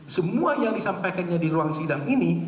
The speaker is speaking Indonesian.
semua yang disampaikannya di ruang sidang ini